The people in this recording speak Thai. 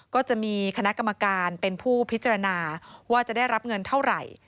ก็จะมีคณะกรรมการเป็นผู้พิจารณาว่าจะได้รับเงินเท่าไหร่